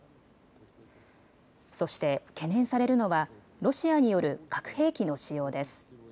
そして、懸念されるのはロシアによる核兵器の使用です。